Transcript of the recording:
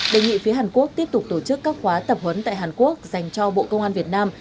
đề nghị phía hàn quốc tiếp tục tổ chức các khóa tập huấn tại hàn quốc dành cho bộ công an việt nam